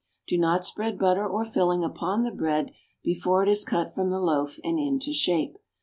Do not spread butter or filling upon the bread before it is cut from the loaf and into shape.